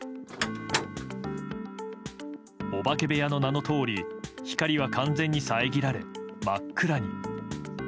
お化け部屋の名の通り光は完全に遮られ、真っ暗に。